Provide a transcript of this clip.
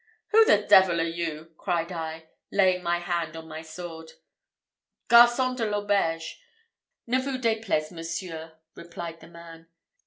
"Who the devil are you?" cried I, laying my hand on my sword. "Garçon de l'auberge, ne vous deplaise, Monsieur," replied the man.